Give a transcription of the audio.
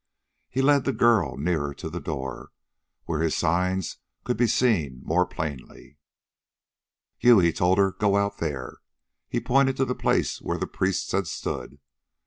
He led the girl nearer to the door, where his signs could be seen more plainly. "You," he told her, "go out there." He pointed to the place where the priests had stood.